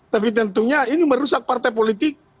tapi tentunya ini merusak partai politik